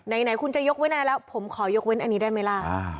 ไหนคุณจะยกเว้นอะไรแล้วผมขอยกเว้นอันนี้ได้ไหมล่ะ